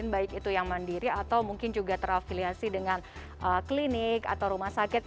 baik itu yang mandiri atau mungkin juga terafiliasi dengan klinik atau rumah sakit